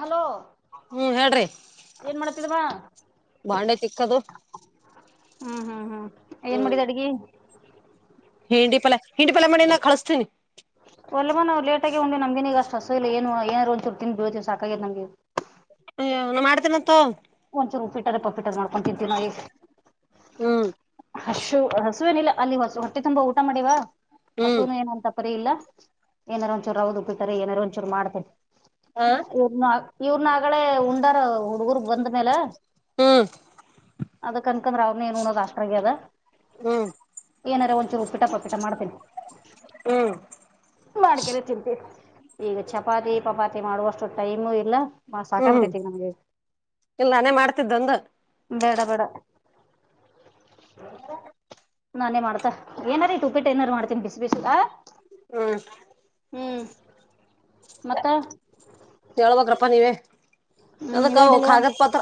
Hello ಹ್ಮ್ ಹೇಳ್ರಿ ಏನ್ ಮಾಡ್ತಿದವಾ ಬಾಂಡೆ ಚಕ್ಕದು ಹ್ಮ್ ಹ್ಮ್ ಹ್ಮ್ ಏನ್ ಮಾಡಿದೆ ಅಡಗ ಹಿಂಡಿ ಪಲ ಹಿಂಡಿ ಪಲ್ಲಲ ಮಣಿ ನ ಕಳಿಸಸ್ತೀನಿ ಒಲ್ಲಮ್ಮ ನಾವು ಲೇಟ ಆಗೋಗೊಂಡವಿ ನಮಗೆನ್ಗಷ್ಟ ಅಸ ಇಲ್ಲ ಏ ಏನಾರ ಒಂದುಚುರ್ ತಿಿ ಬೀಳ್ೀವಿ ಸಾಕಾಗಿ ನಮಗೆ ನು ಮಾಡ್ತನಂತ ಒಂದ ಚ ಉಪ್ಪಟ್ಟದ ಪಪ್ಪಿಟ್ಟದ ಮಾಡ್ ಅಂತತಿೀವಿ ನಿ ಹ್ಮ್ ಹಸು ಹಸುವೇನಿಲ್ಲ ಅಲ್ಲಿ ಹೊಸ ಹೊಟ್ಟೆ ತುಂಬಾ ಊಟ ಮಾಡಿವ ಹ್ಮ್ ಹಸುನು ಏನಂತ ಪರಿ ಇಲ್ಲ ಏನಾರು ಒಂದಚೂ ಅವ್ ಉ ಬಿಡ್ತಾರೆ ಏನಾರು ಒಂದಚೂರು ಮಾಡ್ತಾರೆ ಹ ಇವ್ರನ ಇವ್ರನ ಆಾಗಳೇ ಉಂಡಾರ ಹುಡುಗರ್ ಬಂದ ಹ್ಮ್ ಅದ ಕಣಕಂದ ರಾವಣ ಏನುನ್ನೋ ದ ಆಾಸ್ದ ಹ್ಮ್ ಏನಾರ ಒಂಚೂರು ಉಪ್ಪಿಟ ಪಪಿಟ ಮಾಡ್ತೀನಿ ಹ್ಮ್ ಮಾಡ್ಕನೆ ತಿಂತೀ ಈಗ ಚಪಾತಿ ಚಪಾತಿ ಮಾಡುವಷ್ಟು ಟೈಮು ಇಲ್ಲ ಮಾ ಹ್ಮ್ ಸಾಕಾಪಟ್ಟತ ನಮಗೆ ಇಲ್ಲ ನಾನೇ ಮಾಡ್ತಿದ್ದ ಅಂದ ಬಡಬೇಡ ನಾನೇ ಮಾಡ್ತ ಏನಾರೀ ಉಪೇಟ್ಟ ಏನಾರು ಮಾಡ್ತೀನಿ ಬಿಸಿ ಬಿಸಿಕ ಹ್ಮ ಹ್ಮ್ ಮತ್ತ ಹೇಳ್ಬೇಕ್ರಪ್ಪಾ ನೀವೇ ಹ್ಮ್ ಅದಕ್ಕ ಇವೇ ಡೆಲಿವ ಕಾಗದ ಪತ್ರ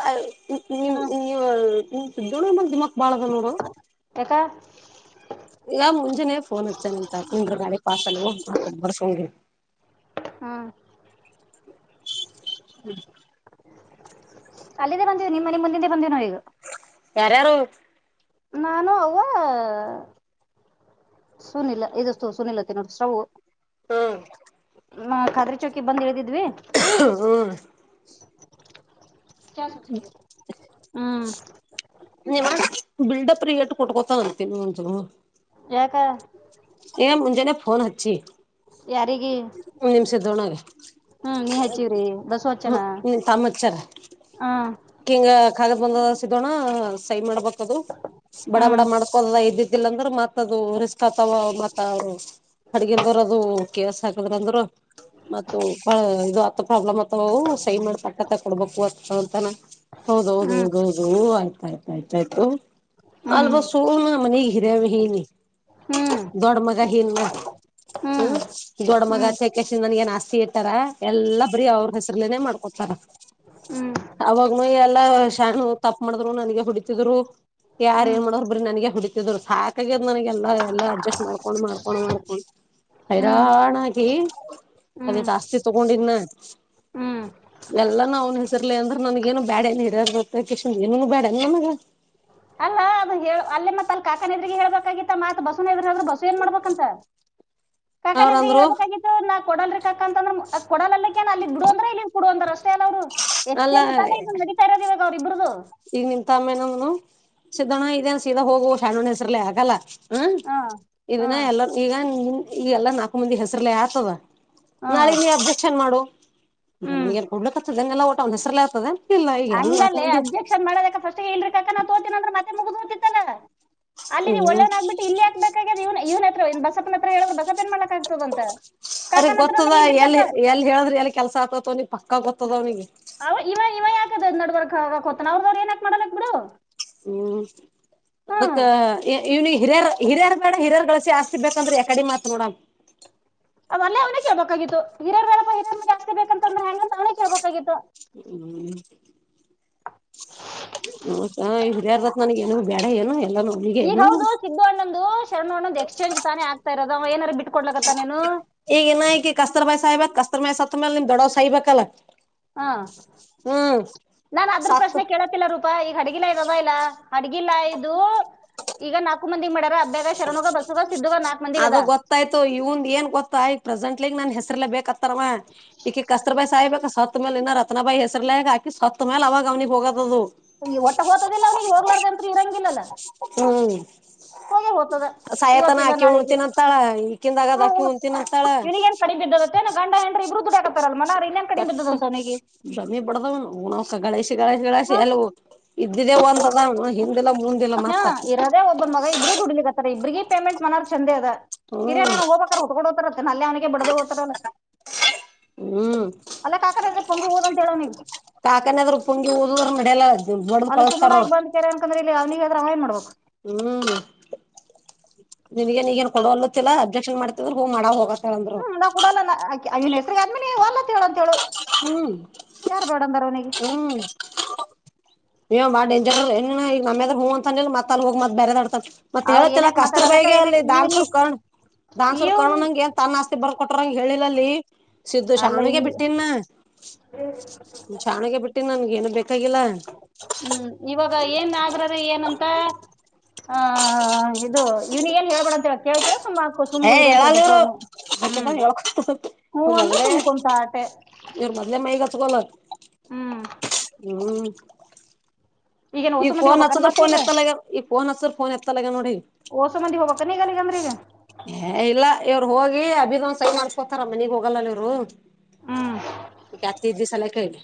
ನಿಮ ಹ್ಮ್ ನೀ ಸೋಣ ಬಂದ ದಿಮಾಕ್ ಬಾಳ ಅದ ನೋಡ ಆ ಇಲ್ಲಾ ಮುಂಜಾನನೆ ಫೋನ್ ಹಚ್ಚನೆಂತ ಕುಂದ್ರ ನಾಳೆ ಪಾಸಲ್ಕೊಂಬರ್ಸಂಗಿ [inaudible] ಹ್ಮ ಹ್ಮ್ ಅಲ್ಲಗೇ ಬಂದೇವ ನಿಮ್ಮ ಮನೆ ಮುಂದಿಂದೆ ಬಂದೇವ ಈಗ ಯಾರ ಯಾರು ನಾನು ಅವ್ವ ಸುನಿಲ್ಲ ಇದಷ್ಟು ಸುನಿಲ್ಲ ತಿನ್ನೋದು ಸ್ಟೊವು ಹ್ಮ ಹ ಖಾದ್ರಿ ಚೌಕಿ ಬಂದ್ ಇಳಿದಿದ್ವಿ ಹ್ಮ್ [inaudible] ಹ್ಮ್ ನೀವ ಬಿಲ್ಡಪ್ ರಿಯೇಟ್ ಕೊಟ್ಕೋತ ಅಂತೀನಿ ಒಂಚೂರು ಯಾಕ ಏನ ಮುಂಜಾನೆ ಫೋನ್ ಹಚ್ಚಿ ಯಾರಿಗೆ ದೊಣ ರೀ ಬಸ್ಸು ಹ್ಮ ಹಚ್ಚನ ನಿನ್ ತಮ್ಮ ಅಚ್ಚರ ಹ್ಮ್ ಹಿಂಗ ಕಾಲ ಬಂದ ದೋಣ ಸೈನ್ ಮಾಡ್ಬೇಕದು ಬಡ ಬಡ ಹ್ಮ್ ಮಾಡ್ಕೋ ಇದಿದ್ದಿಲ್ಲ ಅಂದ್ರೆ ಮತ್ತ ಅದು ರಿಸ್ಕ್ ಆ ವ ಮತ್ತ ಅವರು ಅಡ್ಗೆಲ್ದವ್ರ ಅದು ಕೇಸ್ ಹಾಕದ್ರಂದ್ರ ಮತ್ತ ಅ ಇದು ಹತ್ತ ಪ್ರಾಬ್ಲಮ್ ಆತವ ಅವು ಸೈನ್ ಮಾಡ್ ಪಕ್ಕತ ಕೊಡ್ಬೇಕು ಅಂತ ಹೌದ ಹೌದು ಹ್ಮ್ ಹೌದ ಹೌದು ಆಯ್ತು ಆ ಆಯ್ತ ಆಯ್ತಾ ಆಯ್ತು ಹ್ಮ್ ಅಲ್ವಾ ಸೋ ಮನಗ್ ಹಿರಯ ಹೀನಿ ಹ್ಮ್ ದೊಡ್ಡ ಮಗ ಇಲ್ಲ ಹ್ಮ ಹ್ಮ್ ದೊಡ್ಡ್ಮಗ ಹ್ಮ್ ಸಕ್ಲೇಶ ನನ್ಗಏನ್ ಆಸ್ತ ರಿಯೇಟರ ಎಲ್ಲಾ ಬರೀ ಅವ್ರ ಹೆಸರ್ಲನೇ ಮಾಡ್ಕೊತಾರ ಹ್ಮ್ ಅವಾಗನು ಎಲ್ಲಾ ಶಾಣು ತಪ್ಪ ಮಾಡಿದ್ರು ನನಗೆ ಹುಡಿತಿದ್ರು ಯಾರ್ ಹ್ಮ್ ಏನ್ ಮಾಡುದ್ರು ನನಗೆ ಹೊಡಿತಿದ್ರು ಸಾಕಾಗೆದೆ ನನಗೆ ಎಲ್ಲ ಎಲ್ಲ ಅಡ್ಜಸ್ಟ್ ಮಾಡ್ಕೊಂಡು ಮಾಡ್ಕೊಂಡು ಮಾಡ್ಕೊಂಡು ಹ್ಮ್ ಹೈರಾಣ ಹಾಗಿ ಅದೇ ಹ್ಮ್ ಜಾಸ್ತಿ ತಗೊಂಡಿದ್ನ ಹ್ಮ್ ಎಲ್ಲಾ ಅವ್ನ್ ಹೆಸರ್ಲಿ ಅಂದ್ರೆ ನನ್ಗೇನು ಬ್ಯಾಡ ಏನ್ ಹಿರ ಗೊತ್ತಕಿಶಾಂದ ನ್ ಏನೂ ಬೇಡೇನ್ ನನಗ ಅಲ್ಲ ಅದ ಅಲ್ಲಿ ಮತ್ತ ಅಲ್ಲಿ ಕಾಕನೆದ್ರಿಗ ಹೇಳ್ಬೇಕಾಗಿತ್ತ ಮಾತ್ ಬಸವನದ್ರ ಬಸ್ಸು ಏನ್ ಮಾಡ್ಬೇಕಂತ ಕಾಕನ ಇದರಿಗಿ ಅವ್ರಂದ್ರು ಹೇಳ್ಬೇಕಾಗಿತ್ತು ನಾ ಕೊಡ ರೀ ಕಂಕತಂದ್ರ ಕೊಡಲಲ್ಲಕಿ ಏನ ಅಲ್ಲಿದ ಬಿಡು ಅಂದ್ರೆ ಇಲ್ಲಿ ಬಿಡು ಅಂದರೆ ಅಷ್ಟೆ ಅಲ್ಲೆ ಅವ್ರು ಎಕ್ಸ್ಚೇಂಜ್ ತಾನೇ ಅಲ್ಲಾ ಇದು ನಡತಾ ಇರೋದು ಇವಾಗ ಅವ್ರ ಇಬ್ರದು. ಈಗ ನಿಮ್ಮ ತಮ್ಮನ ಏನ ಅವನು ಸಿದ್ದಣ್ಣ ಇದೇನ್ ಸೀದಾ ಹೋಗು ಶರಣ ಅಣ್ಣ ಹೆಸರ್ಲೆ ಆಗಲ್ಲ ಹ್ಮ ಹ ಹ ಇದನ್ನ ಎಲ್ಲ ಈಗ ನಿ ಈ ನಾಲ್ಕು ಮಂದಿ ಹೆಸರಲ್ಲೆ ಆತದ ಹ ನಾಳಿಗ ನೀ ಅಬ್ಜೆಕ್ಷನ್ ಮಾಡು ಈಗ ಹ್ಮ್ ನನಗೆನ್ ಕೂಡ್ಲಕ್ ಆತದಲ್ಲಾ ಒಟ್ ಅವನ ಹೆಸ್ರಲ್ಲೇ ಆತದೇನ ಇಲ್ಲ ಆ ಈಗ ನಾಲ್ಕು ಮಂದಿ ವಿಚಾರ ಮಾಡಬೇಕು ಪಸ್ಟಿಗಿ ಇಲರಿ ಕಾಕಾ ತೋತನೀ ಅಂದ್ರತ್ತ ಅಲ್ಲಿ ನೀವು ಹ್ಮ್ ಒಳ್ಳೆನ್ ಆಗ್ಬಿಟ್ಟ ಇಲ್ಲಿ ಹಾಕ್ಬೇಕ ಅಗ್ಯಾದ ಇವ್ವನ ಹತ್ರ ಇ ಬಸಪನ ಹತ್ರ ಹೇಳೋದ ಬಸಪ ಏನ್ ಮಾಡತಾನ ಅವರಿಗಿ ಗೊತ್ತದ ಎಲ್ಲಿ ಕಾಕಾ ಹೇಳಿದ್ರ ಎಲ್ಲಿ ಕೆಲ್ಸ ಆಗ್ತತ್ ಅವ್ನಿಗೆ ಪಕ್ಕ ಗೊತ್ತದ ಅವ್ನಿಗೆ. ಅವ ಇವ ಇವ ಯಾಕದ್ ನಡಬರಕ ಹೊತನ ಅವ್ರದವ್ರ ಏನಕ ಹ್ಮ್ ಹ್ಮ್ ಅದಕ್ಕ ಇವನೀಗಿ ಹಿರಿಯ ಹಿರಯಾರ್ ಬೇಡ ಹಿರಯಾರ್ಗಳ ಆಸ್ತಿ ಬೇಕಂದ್ರೆ ಯಕಡೆ ಮಾತ್ರ ನೋಡ. ಅವ ಅಲ್ಲೆ ಅವನೇ ಕೇಳಬೇಕಾಗಿತ್ತು ಹಿರಿಯರ್ ಬೇಡಪ ಹಿರಿಯರ ಆಸ್ತಿ ಬೇಕಂತಂದ್ರೆ ಹೆಂಗಂತ ಅವನೇ ಕೇಳ್ಬೇಕಾಗಿತ್ತು [inaudible] ಹ ಹ ಹಿರ್ಯಾರ್ದತ್ ನನಗ ಏನು ಬೇಡ ಏನು ಎಲ್ಲ ಅವರಿಗೆ ಈಗ ಏನು. ಹೌದು ಸಿದ್ದು ಅಣ್ಣಂದು ಶರಣು ಅಣ್ಣಂದು ಎಸ್ಚೇಜ್ ತಾನೆ ಆಗ್ತ ಇರೋದು ಅವ ಏನರಾ ಬಿಟ್ ಕೊಡ್ಲ ಈಗ ಇನಕಿ ಕಸ್ತೂರಿಬಾಯಿ ಸಾಯಬೇಕ ಕಸ್ತರ್ಮಾಯಿ ಸತ್ ಮೇಲೆ ನಿಮ್ ದೊಡವ್ ಸಹ್ಬೇಕಲ್ಲ ಹಾ ನಾನ ಅದ್ರ ಸತ್ ಪ್ರಶ್ನೆ ಕೇಳತ್ತಿಲ್ಲ ರೂಪಾ ಈಗ ಅಡಗಿಲ್ಲ ಇದ ಇಲ್ಲ ಅಡ್ಗಿಲ್ಲಯದು ಈದು ನಾ ನಾಲ್ಕು ಮಂದಿಗೆ ಅದು ಅದ ಗೊತ್ತಾಯ್ತು ಇವನ್ ಏನ್ ಗೊತ್ತಾಯ್ತ ಪ್ರೆಸೆಂಟ್ ಗ್ ನಾನ್ ಹೆಸರಿಲ್ಲ ಬೇಕ್ತರವ ಈಕಿ ಕಸ್ತರಬಾಯಿ ಸಾಯಬೇಕ ಸತ್ ಮೇಲೆ ಇ ರತ್ನ ಬಾಯಿ ಹೆಸರ್ಲ್ಲ ಆಕಿ ಸತ ಸತ್ತ ಮೇಲೆ ಅವಾಗ ಅವನಗೆ ಹೋ ಗಾದು ಈ ಒಟ್ಟ ಒದದಿಲ್ಲ ಅವ್ನಿಗೆ ಹೋಗ್ಲಾರ್ದ ಅಂತ್ರ ಇರಂಗಿಲ್ಲಲ ಹ್ಮ್ [inaudible] ಸಾಯತನ ಇವತ್ತಿಲ್ಲ ಆಕಿ ನಾಳೆಗೆ ಉನ್ತೀನಿ ಅಂತಾಳ ಈಕಿಂದಗನಾ ಹಾಕಿ ಹ್ಮ್ ಉಣ್ತನ ಅಂತಾಳ ಇವನಿಗೇನ್ ಕಡಿಮೆ ಬಿದ್ದದತ್ತೇನ ಗಂಡ ಹೆಂಡ್ರಿ ಇಬ್ರು ದುಡಿಯಾಕತ್ತಾರಲ್ ಮನಾರ್ ಇನ್ನೇನ್ ಕಡಿಮೆ ಕೆಟ್ಟ ಬಿದ್ದದಂತ ಅವನಿಗೆ ಬ್ರಮೆ ಬಡದ [inaudible] ಅ ಗಣೇಶಿ ಗಗಳೇಶಿ ಗಗಳೇಶಿ ಎಲ್ಲ ಇದ್ದಿದ್ದೇವು [inaudible] ಒಂದ ನ ಹಿಂದಿಲ್ಲ ಮುಂದಿಲ್ ಹಾ ಮತ್ತ ಇರದೇ ಒಬ್ಬನ್ ಮಗ ಇಬ್ರು ದುಡಲಿಕತರ್ ಇಬ್ರಗಿ ಪೇೆಮೆಂಟ್ ಮನರಾ ಚಂದೇ ಅದ ಹ್ಮ್ ಹಿರಿಯೇರ ಹೋಗಬೇಕರಾ ಹೊತಗೊಂಡ ಅಂತನಾ ಬಿಡದೇ ಹೊತರಲ್ಲ ಹ್ಮ್ ಪೊಂಗಿ ಹೋದ್ ಅಂತ ಹೇಳ ಅವ್ನಿಗೆ ಕಾಕನ ಏದಾರ ಪುಂಗಿ ಊದ ಹೊಲದ ಸಮನಾಗಿ ಬಂದ ಕೆರೆ ಬಂದ್ರ ಇಲ್ಲಿ ಅವನಿಗೆ ಹೇಳಿದ್ರ ಅವ ಏನು ಮಾಡ್ಬೇಕು ಹ್ಮ್ ನೀಗೇನ್ ಈಗ ಏನ ಕೊಡುವಲ್ಲತ್ತಿಲ್ಲಾ ಅಬ್ಜೆಕ್ಷನ್ ಮಾಡ್ತಿದ್ರ ಹೋಗ ಮಾಡ ಹೋಗ ಹ್ಮ್ ನಾ ಕೊಡಲ್ಲನ್ ಅಕಿನ ಹೆಸ್ರಗ ಆದ್ಮೇಲೆ ವಲಂತ ಹೇಳ ಅಂತ ಹೇಳು ಹ್ಮ್ ಯಾರು ಬೇಡ ಅಂದಾರ ಅವನಿಗೆ ಹ್ಮ್ ಏ ಅವ ಬಾಳ ಡೇಂಜರ್ ಅರಲೆ ಈಗ ನಮ್ಮ್ಯದಾಗ ಹೂವ ಅಂತ ಅ ಮತ್ತ ಅಲ್ಲಿ ಹೋಗ ಮತ್ ಬೇರೆದ ಆಡ್ತತರಾ ಮತ್ತ ಅವ್ರ ಹೇಳತ್ತಲಾ ಏನಕ್ ಮಾತಾಡಲಕ್ಕ ಕಸ್ತೂರಬಾಯಿಗೆ ಏನಕ್ ಅಲ್ಲಿ ಈ ಧಾನಸುರ ನೀ- ಕರ್ಣ ದಾನ್ಸೂರ್ ಇವ್ನ್ ಕರ್ಣಣಂಗ ಏ ತನ್ ಆಸ್ತಿ ಬರದ ಕೊಟ್ಟ್ರ ಹಂಗ ಹೇಳಿಲ್ಲ ಸಿದ್ದು ಅಲ್ಲ ಶಾಣಗ ಈ ಬಿಟ್ಟಿನ ಶಾಣಗ ಬಿಟ್ಟನ್ ನನ್ಗ ಏನು ಬೇಕ ಹ್ಮ್ ಇವಾಗ ಏನ್ ಆದ್ರಾರ ಏನಂತ ಹ ಇದು ಇವನಿಗಿ ಏನ್ ಹೇಳ್ಬೇಡ ಅಂತ ಹೇಳ ಕೇಳಕೆರಿ ಸುಮ್ಮ್ ಸುಮ್ ಇರಂತ ಬಸವನ [inaudible] ಇವರ ಸುಮ್ ಕುಂತ ಆಟೆ ಮೋದಲೆ ಮೈಗಚಗಲ ಹ್ಮ್ ಹ್ಮ್ ಈಗೇನ್ ಹೊಸ ಮಂದಿ ಈಗಫೋನ್ ಹೋಗ್ಬೇಕನ್ ಅಚ್ಚಿದ್ರ ಮತ್ ಫೋನ್ ಈಗ ಎತ್ತಲಗ್ಯಾನ್ ಈ ಫೋನ್ ಹಚ್ಚದ್ರ ಫೋನ್ ಎತ್ತಲಗ ನೋಡ ಓಹೋ ಮಂದಿ ಹೋಗಬೇಕೆಂನ್ರೀ ಈಗ ಏ ಇಲ್ಲ ಇವ್ರು ಹೋಗಿ ಅದೇನೋ ಸೈನ್ ಮಾಡ್ಸ್ಕೊತರಾ ಮನಿಗೆ ಹೋಗಲ್ಲ ಇವ್ರು ಹ್ಮ್ ಈಗತಿ ದಿವಿಸಲ್ಲ ಕೇಳಿ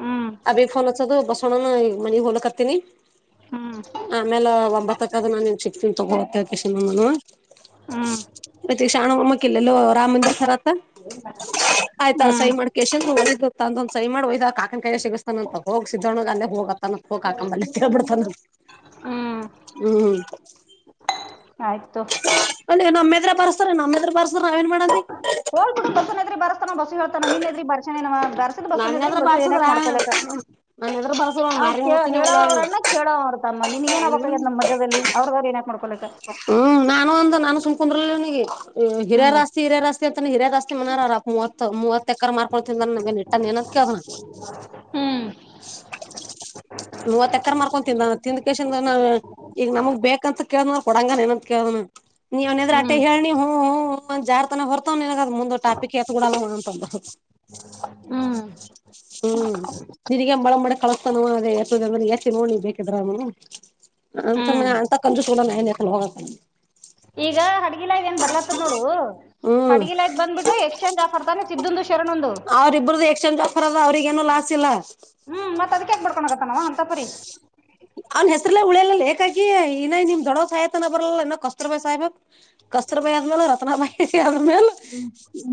ಹ್ಮ್ ಅಭಿ ಫೋನ್ ಅಚ್ಚೋದು ಈಗ ಮನಿಗೆ ಹೋಗಾಕತೀನಿ ಹ್ಮ್ ಆಮೇಲೆ ಒಂಬತ್ತಕ್ಕದ ನಾನ್ ನಿನಗೆ ಸಿಗ್ತೀನಿ ಹ್ಮ್ [unintelligible] ಶಾನೂ ಅಕ್ಕ ಇಲ್ಲಿ ರಾಮಮಂದಿರ್ ಆಯ್ತ ಅಲ್ಲಿ ಹ್ಮ್ ಸೈನ್ ಮಾಡಿ ಎಷ್ಟೋತ್ತಿಗೆ ಮನೆಗೆ ಬಂದಿ ಸೈನ್ ಮಾಡ್ ಒಯ್ದ ಕಾಕನ್ ಕೈ ಸಿಗ್ತಾನ ಅಂತ ಹೋಗ ಸಿದ್ಧಣ ಅಲ್ಲಿ ಹೋಗೋ ಹೋಗಿ ಕಾಕನಬಳಿ ಕೇಳಿಬಿಡ್ತಾನ ಹ್ಮ್ ಹು ಆಯ್ತು ತಕೊ ನಮ್ಮ ಎದ್ರು ಬರಿಸಿದ್ರೆ ನಾವೇನು ಮಾಡೋಣರೀ ಹೋಗ ಬಿಡು ಬಸನೇದುರು ಬಸುಗೆ ಹೇಳ್ತಾನ ನೀನ್ ಇದ್ರಿ ಬರ್ಸನ ಬರ್ಸದ ಬಸ್ಇದ್ರಿ ನನ್ನೆದ್ರ ಬಸ್ ಬಾರ್ಸುದ್ರ ಏನಕ್ ಮಾಡ್ಕೊಲಕ್ ನನ್ನೆದ್ರ ಬಾರ್ಸ ಹ ಮಾರಿ ಕ ಮುತಿನ ಉಳ ಹೇಳೋವ್ರಣ್ಣ ಕೇಳವ್ರ ತಮ್ಮ ನಿನ್ಗ ಏನ್ದ ನಮ್ಮ್ ಮಧ್ಯದಲ್ಲಿ ಅವ್ರದವ್ರು ಏನ ಹ್ಮ್ ನಾನು ಒಂದು ನನ್ ಸುಮ್ ಕುಂದ್ರಲ್ಲ ಆತಗಿ ಹ್ಮ್ ಹಿರಿಯರ ಆಸ್ತಿ ಅಂತಹಿರಿಯರ ಆಸ್ತಿ ಅಂತಾನಾ ಅವರ ಅಪ್ಪ ಮೂವತ್ತ ಎಕರೇ ಮಾರೀ ತಕೊಳ್ತಿಂದ್ರ ನಗೆ ನೆಟ್ಟನ್ ನಾವು ಏನ್ ಅಂತ ಕೇಳಿದ್ವ ಹ್ಮ್ ಮೂವತ್ತು ಎಕರ್ ಮಾರ್ಕೊ ತಿಂದ ತಿಂದ ಕೇಶನ್ ನಾವು ಈಗ ನಮಗ್ ಬೇಕಂತ ಕೇಳ್ದ ಕೊಡಂಗ ಏನಂತ ಕೇಳ್ದ್ ನೀವ್ನ್ರ ಆಟೇ ಹ್ಮ್ ಹೇಳಿ ಹು ಹು ಹ್ ಹ್ ಹ ಜಾರ್ ಹೊರತು ಅವು ಮುಂದ ಟಾಪಿಕ್ ಏತುಬಿಡಲ್ಲ ಹ್ಮ್ ಹ್ಮ್ ನಿಗ ಬಳಂಬಿ ಕಳಸ್ತಾನವ ಅದೇ ಎತದ್ರ ಎಸಿ ನೋಡಿ ಬೇಕಿದ್ರನು ಅಂತಮ ಹ್ಮ್ ಅಂತ ಕಂಜೂಸ್ ಈಗ ಹಡ್ಗಿಲಾಯ್ ಏನ್ ಬರ್ಲತ್ತದ ನೋಡು ಹ್ಮ್ ಹಡ್ಗಿಲಾಯ್ ಬಂದ್ಬಿಟ್ಟು ಎಕ್ಸ್ಚೇಂಜ್ ಆಫರ್ ತಾನೆ ಸಿದ್ದುದು ಶರಣೊಂದು ಅವ್ರಿಬ್ಬ್ರದು ಎಕ್ಸ್ಚೇಂಜ್ ಆಫರ್ ಆದ ಅವ್ರಿಗ ಏನೂ ಲಾಸ್ ಇಲ್ಲ ಹ್ಮ್ ಮತ್ ಅದಕ್ಯಾಕ ಬಡ್ಕೊಂಡೋಗತ್ತನವ ಅಂತ ಪರಿ ಅವನ್ ಹೆಸ್ರಲ್ಲೇ ಉಳಿಯಲಲ್ಲ ಹಾಕಾಗಿ ಇನ್ನ ನಿಮ್ ದೊಡೋ ಸಾಯತನ ಬರಲ್ಲ ಇನೋ ಕಸ್ರ್ ಬ ಸಹ್ಬಕ್ ಕಸ್ತರ ಬಾಯಿ ಆದ್ಮೇಲೆ ರತ್ನ ಬಾಯಿ ಆದ್ಮೇಲೆ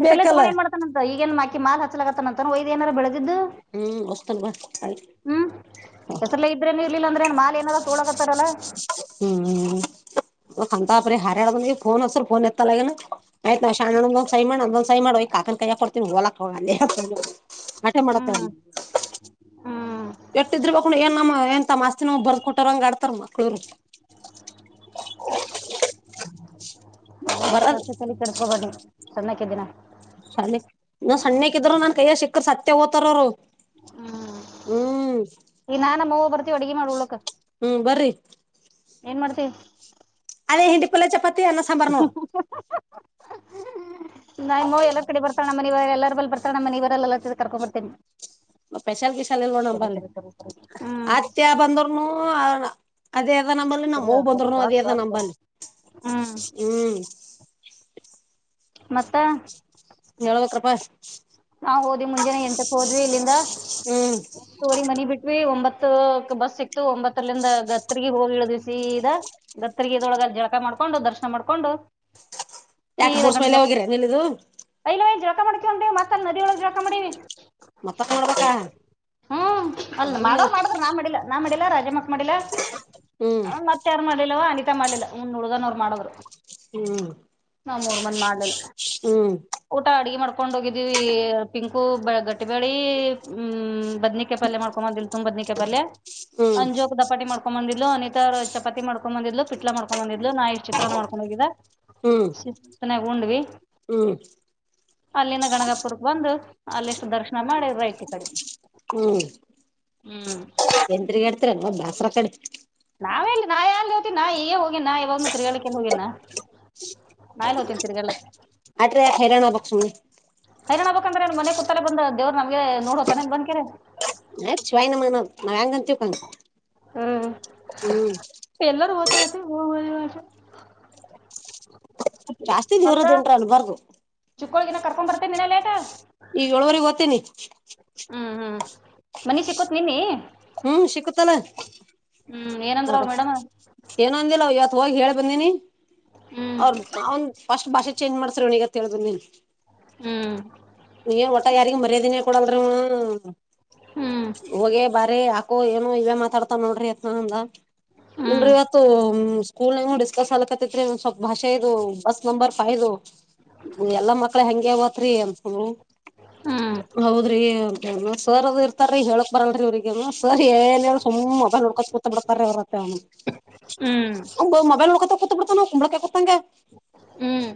ಹೆಸಲ್ಲಿ ಬೇಕಲ್ಲ ತಗೊಂಡ ಮಾಡ್ತಾನಂತ ಈಗಏನ್ಕಿ ಮಾಲ್ ಹಚ್ಚಲತನಂತ ಒಯ್ ಏನಾರ ಬೆಳೆದಿದ್ದು ಹ್ಮ್ ಹೊಸ್ತನ ಬಾ ಹೆಸರುಲ್ಲ ಇದ್ರೇನು ಇರ್ಲಿಲ್ಲ ಅಂದ್ರೆಏನ್ ಮಾಲ್ ಏನಾರ ತಕೊಳೋಕತಾರಲ್ಲ ಹ್ಮ್ ಹ್ಮ್ ಅಂತಪಾರಿ ಹಡ ಫೋನ್ ಹಚ್ಚಿದ್ರೆ ಫೋನ್ ಎತ್ತಲ್ಲ ಆಯ್ತು ನಾನು ಸೈನ್ ಮಾಡ್ ಅಂದೊ ಸೈ ಮಾಡ ಕಾಕ ಯ ಕೊಡ್ತೀನಿ ಹೋಲಕ್ ಹೋಗ ಆಟೆ ಮಾಡ ಹ್ಮ್ ಹ್ಮ್ ಎಸ್ಟಿರಬೇಕು ಏನು ನಮ್ಮ ತಮ್ಮ ಆಸ್ತಿ ನಮಗೆ ಬರೆದು ಆ ಕೊಟ್ಟ್ರ ಹಂಗ ಆಡ್ತಾರ ಮಕ್ಳೂರು ಒಬ್ಬಳ ಬರದ್ ಜಾಸ್ತಿ ತಲೆಕೆಡಸ್ಕೊ ಬನ್ನಿ ಸಣ್ಣಕ ದಿನ ಶಾಲೆ ನ ಸಣ್ಣಕ್ಕಿದರು ನನ್ ಕೈನ್ನ ಸಿಕ್ಕಿದ್ರೆ ಸತೇ ಹೋತರ ಅವ್ರು ಹ್ಮ್ ಈ ನಾನ ಅವ್ವ ಬರ್ತಿವಿ ಅಡುಗೆ ಮಾಡ ಉಳಕ್ಕೆ ಹ್ಮ್ ಬರ್ರಿ ಏನ್ ಮಾಡ್ತೀವಿ ಅದೇ ಹಿಂಡು ಪಲ್ಯ ಚಪಾತಿ ಅನ್ನ ಸಾಂಬಾರ್ ನೋಡ್ [inaudible] ನಮ್ಮ ಅವ್ವ ಎಲ್ಲ ಕಡೆ ಬತಳ್ಣ ಮನವ ಎಲ್ಲರ ಬರ್ತಾ ನಮ್ಮನ ಇವರೆಲ್ಲ ಕರ್ಕೊ ಬರ್ತೇನಿ ಸ್ಪೆಷಲ್ ಗಿಶಾಲ್ ಇಲ್ಲ ನೋಡು ನಮ್ಮಲ್ಲಿ ಸರಿ ಸರಿ ಹ್ಮ್ ಅತ್ತೆ ಬಂದ್ರನು ಅದೇ ಆದ ನಂಬಲ್ಲ ಸರಿ ನಮ್ಮ ಅವ್ವ ಸರಿ ಬಂದ್ರುನು ಅದೇ ಸಾಕ್ ಆದ ಸಾಕ್ ಸಾಕ್ ನಂಬಲ್ಲಿ ಹ್ಮ್ ಹ್ಮ್ ಮತ್ತೆ ಹೇಳ್ಬೇಕ್ರಪ್ಪಾ ನಾವ್ ಹೋದ್ವಿ ಮುಂಜಾನೆ ಎಂಟಕ್ ಹೋದ್ವಿ ಇಲ್ಲಿಂದ ಹ್ಮ್ ತೋರಿ ಮನಿ ಬಿಟ್ವಿ ಒಂಬತ್ತು ಬಸ್ ಸಿಕ್ತು ಒಂಬತ್ತಲ್ಲಿಂದ ಗತ್ತರಿಗೆ ಹೋಗಿ ಇಳ್ದಿವ ಸೀದ ಗತ್ತಗ ಇದೊಳಗ ಜಳಕ ಮಾಡ ಕೊಂಡು ದರ್ಶನ ಮಾಡ್ಕೊಂಡು ಯಾಕೆ ಸೀದಾ ಬಸ್ ಮೇಲೆ ಹೋಗಿರಾನಿಲ್ಲದು ಮಾಡ್ತೀವನ್ ಮತ್ತತ್ ನದ ಒಳಗ್ ಜಾ ಮಾಡೀ ಮತ್ತಕ್ ನೋಡ್ಬೇಕಾ ಹ್ಮ್ ಅಲ್ಲ ಮಾಡ್ ಮಾಡಿದ್ರ ನಾನ್ ಮಾಡಿಲ್ಲ ನಾ ಮಾಡ ರಾಜಮ್ಮಕ್ ಮಾಡಿಲ್ಲ ಹ್ಮ್ ಮತ್ತ ಯಾರು ಮಾಡಿಲ್ಲವ ಅನಿತಾ ಮಾಡಿಲ್ಲ ಹಂದ್ ಹುಡುಗನವರ್ ಮಾಡೋವ್ರು ಹ್ಮ್ ನಾಮೂರ್ ಮಂದ ಮಾಡಲಿಲ್ಲ ಹ್ಮ್ ಊಟ ಅಡ್ಗೆ ಮಾಡ್ಕೊಂಡ ಹೋಗಿದ್ದ ಪಿಂಕು ಗಟ್ಟಿಬಳಿ ಹ್ಮ್ ಬದ್ನಿಕ ಪಲ್ ಮಾಡ್ಕೊಂಡ್ ಬಂದಿಲ್ಲ ತುಂಬ ಬದ್ನಿಕ ಹ್ಮ್ ಹ್ಮ್ ಪಲ್ಅಂಜೋಗ ದಪಾ ಮಾಡಕೊಂಡ್ ಬಂದಿಿಲ್ಲ ಅನಿತಾ ಚಪಾತಿ ಮಾಡ್ಡ ಮಾಡ್ಕೊಂಡ ಬಂದಿದ್ಲು ಪಿಟ್ಲ ಮಾಡ್ಕೊಂಡ ಬಂದಿದ್ ನಾಷ್ಟ ಚಿತ್ರನ ಮಾಡ್ಕೊಂಡುಗಿದ್ದಾ ಹ್ಮ್ ಶತ್ತನಾಗ ಉಂಡ್ವಿ ಹ್ಮ್ ಅಲ್ಲಿಂದ ಗನಗಾಪುರಕ್ ಬಂದು ಅಲ್ಲಿಷ್ಟ ದರ್ಶನ ಮಾಡ್ಯ ರೈಟ್ ಈ ಕಡೆ ಹ್ಮ್ ಎಂತ್ರಿಗಾಡ್ತ ಬಸ್ತ್ರ ಕಡೆ ನಾವೆಲ್ಲಿ ನಾ ಎಲ್ಲಿ ಹ್ತಿನಿ ಈಗ ಹೋಗೇಿನಾ ಇವಾಗನು ತಿರಿಗಳಿಕ ಹೋಗೇಾ ನಾಗ್ ಹೋಗತೀನಿ ತಿರ್ಗಲ್ಲತ್ತ ಅಟ್ರೆ ಹೈರಾಣ ಪಕ್ಷಣ ಹೈನಣ್ಣ ಬಬೇಕಂದ್ರೆನ್ ಮನೆಗ್ ಕೂತ್ತೇ ಬಂದ ದೇವ್ ನಮಗೆ ನೋಡೋತಾನ ಬಂದಕೀರಿ ನ ಶಿವಾಯನ ಮ ನಾ ಹೆಯಾಂಗಂತ ಹ್ಮ್ ಎಲ್ಲಾರೂ ಓತಾರತಿ ಹೋಗುವಷ ಜಾಸ್ತಿ ದ ಇವರದ ಟರ ಅಲ್ಲಿ ಬಾರದು ಚಕ್ಕಳಗಿನ ಕರ್ಕೊಂಡ ಬರ್ತನಾ ಲೇಟ ಈಗ ಒಳವರೆಗೆ ಗತ್ತೇನೆ ಹ್ಮ್ ಹ್ಮ್ ಮನಿ ಸಿಕೋತ್ ನಿನ್ನಿ ಹ್ಮ್ ಸಿಕುತ್ತಲ್ಲ ಹ್ಮ್ ಮ ಏನಂದ್ರ ಅವ್ರ ಮೇಡಮ್ ಏನ ಅಂದಿಲ್ಲ ಯ ಹೋಗಿ ಹೇಳ್ ಬಂದೀನಿ ಹ್ಮ್ ಅವ್ರ ಅವನ್ ಫಸ್ಟ್ ಭಾಷೆ ಚೇಂಜ್ ಮಾಡ್ಸ್ರಗತ್ತ ಹಳ್ ಬಂದೀನಿ ಹ್ಮ್ ನೀ ಒಟ ಯಾರಿಗ ಮರ್ಯದಿನ ಕೊಡಲ್ ಹ್ಮ್ ಹೋಗೆ ಬಾರಿ ಆ ಏನೋ ಇವ ಮಾತಾಡ್ತಾವ ನೋಡ್ರಿ ಯತ್ನ ಅಂದ ಹ್ಮ್ ಇಲ್ರಿ ಇವತ್ತು ಕಕೂಲ್ ಡಿಸ್ಕಸ್ ಆಲಕತ್ರಿ ಸ್ವಲ್ಪ ಭಾಷೆ ಇದು ಬಸ್ ನಂಬರ್ ಫೈ್ ಇದು ಎಲ್ಲಾ ಮಕ್ಳ ಹೆಂಗಗೆ ತ್ರಿಂತ ಹ ಹ್ಮ್ ಹೌದ್ರಿ ಸರ್ ಅದು ಇರ್ತಾರೀ ಹೇಳಕ್ ಬರಲ್ರಿ ಅವ್ರರಿಗೆ ಸರ್ ಸು್ ಮೊಬೈಲ್ ನೋಡ್ಕೋ ಕೂತ ಬಿಡರ ಬರತ್ತೆ ಹ್ಮ್ ಅವ ಮೊಬೈಲ್ ನೋಡ್ಕತೂ ಬಿಡ್ತಾನ ಕುಂಬಳಕ ಕೊತಂಗ ಹ್ಮ್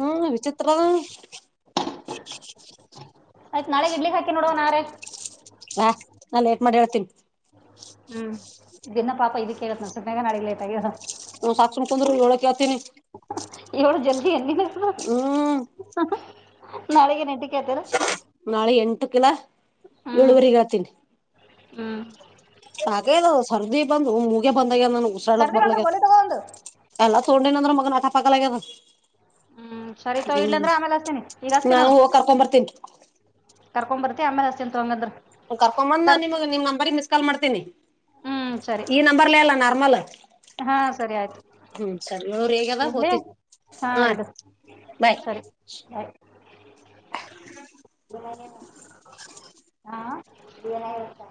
ಹ್ಮ ವಿಚಿತ್ರ ಹ್ಮ [inaudible] ಆಯ್ತ್ ನಾಳೆಗ್ ಇಡ್ಲಿ ಹಾಕಿ ನೋಡುವ ನಾರೆ ನಾ ಏಟ್ ಮಾಡಿ ಹೇಳ್ತೀನಿ ಹ್ಮ್ ದನ್ನ ಪಾಪ ಇದಕ್ಕೆೇಳತ್ ನ ಸು ಮೇಗ ನಾಡಿಗೆ ಲೇಟ್ ಆಗ ನ ಸಾಕ್ಷಸಣ ತೊಂದ್ರೋಳಕೆ ಹತೀನಿ ಎವಳು ಜಲ್ದಿ ಏ ನೀ ಹ್ಮ್ ನಾಳೆಗೆ ನೆಟಿಗೆ ನಾಳೆ ಎಂಟು ಕಿಲ ಹ್ಮ್ ಏಳುವರಿಗ ಹತೀನಿ ಹ್ಮ್ ಹಾಗೆದು ಸರ್ದಿ ಬಂದು ಮುಗ ಬಂದ ನಾನ ಉಸರಾಡಕ್ ಸರ್ದಿಲ್ಲ ಅಂದ್ರೆ ಬರ್ಲ್ಯ ಗೋಲಿ ತಗೋ ಒಂದು ಎಲ್ಲ ತೊಂಡ ಅಂದ್ರ ಮಗನ ಆಟ ಪಾಕಗ್ಯದ ಹ್ಮ್ ಸರಿತ ಇಡ್ಲ ಅಂದ್ರೆ ಆಮೇಲೆ ಅಸ್ತೀನಿ ಈಗ ಅಸ್ತ ನಾನು ನೋಡು ಹೋಗ್ ಕರ್ಕೊಂಡ್ ಬರ್ತೀನಿ ಕರ್ಕೊ ಬರ್ತಿಮೇ ಹಸ್ತ ತಂಗದರು ಕರ್ಕೊಂಡ್ ಬಂದ ನಾ ನಿಮ್ ನಂಬರ್ ಮಿಸ್ ಕಲ್ ಮಾಡ್ತೇನಿ ಹ್ಮ್ ಸರಿ ಈ ನಂಬರ್ಲ್ಲ ಅಲ್ಲ ನರ್ಮಲ್ ಹಾ ಸರಿ ಆಯ್ತು ಹ್ಮ ಚರಿರು ಹೇಗೆಲ್ಲ ಇಡ್ಲಿ ಹತ ಹಾ ಹ ಇಡು ಬಾಯ್ [inaudible] ಹಾ ಏನಾಯ್ತ